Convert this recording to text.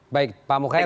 baik pak mukhair